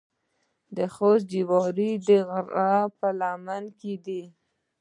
د خوست جوار د غره په لمن کې دي.